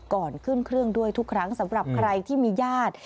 ก่อนขึ้นเครื่องด้วยทุกครั้งสำหรับใครที่มีญาติ